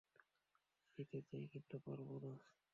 দিতে চাই, কিন্তু পারব না।